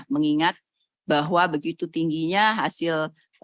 mengingat bahwa begitu tingginya hasil